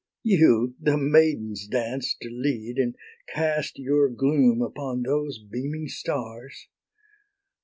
YOU the maidens' dance to lead, And cast your gloom upon those beaming stars!